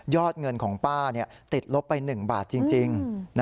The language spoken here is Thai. เงินของป้าติดลบไป๑บาทจริง